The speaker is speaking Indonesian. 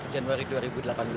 satu januari dua ribu delapan belas